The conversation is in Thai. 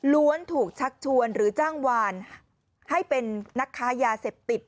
ถูกชักชวนหรือจ้างวานให้เป็นนักค้ายาเสพติด